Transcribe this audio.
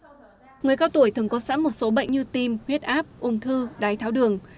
người cao tuổi thường có sẵn một số bệnh như tim huyết áp ung thư đái tháo đường